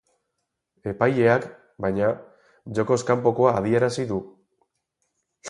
Epaileak, baina, jokoz kanpokoa adierazi du.